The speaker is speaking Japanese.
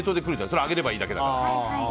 それを揚げればいいだけだから。